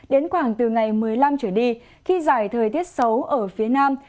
đến khoảng từ ngày một mươi năm trở đi khi giải thời tiết xấu ở phía nam